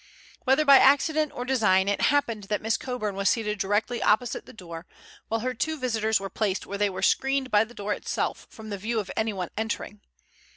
Whether by accident or design it happened that Miss Coburn was seated directly opposite the door, while her two visitors were placed where they were screened by the door itself from the view of anyone entering.